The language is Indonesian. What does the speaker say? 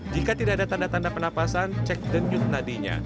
jika tidak ada tanda tanda penapasan cek denyut nadinya